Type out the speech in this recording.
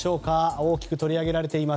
大きく取り上げられています。